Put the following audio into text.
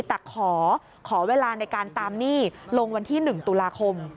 แต่ขอเวลานั้นลงที่๑ตุลาคม